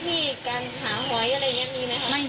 ไม่มีค่ะเรื่องการแต่งพื้นที่การหาหอยอะไรนี้มีไหมค่ะ